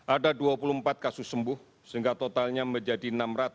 ada dua puluh empat kasus sembuh sehingga totalnya menjadi enam ratus tiga puluh